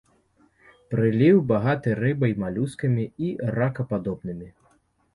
Праліў багаты рыбай, малюскамі і ракападобнымі.